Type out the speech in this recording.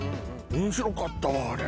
面白かったわあれ。